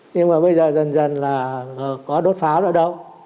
nhưng mà bây giờ dân dân là có đốt pháo nữa đâu